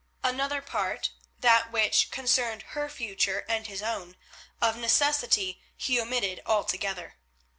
Another part—that which concerned her future and his own—of necessity he omitted altogether.